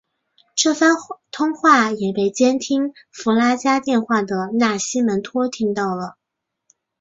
这番通话也被监听弗拉加电话的纳西门托听到了。